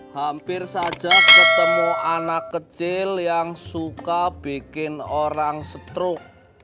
hampir saja ketemu anak kecil yang suka bikin orang stroke